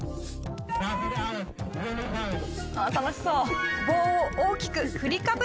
楽しそう。